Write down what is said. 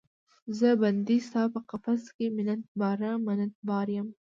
زه بندۍ ستا په قفس کې، منت باره، منت بار یم